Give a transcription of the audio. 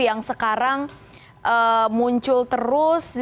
yang sekarang muncul terus